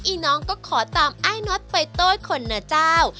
อีน้องก็ขอตามอ้ายน๊อตไปโต๊ดขนนะจ้าว